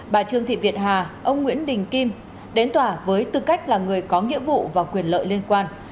bà trương thị việt hà ông nguyễn đình kim đến tòa với tư cách là người có nghĩa vụ và quyền lợi liên quan